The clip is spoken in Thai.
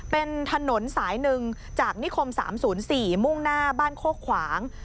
เป็นถนนสาย๑จากนิคม๓๐๔มุ่งหน้าบ้านโคกขวาง